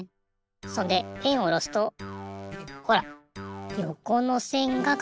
そんでペンをおろすとほらよこのせんがかけるの。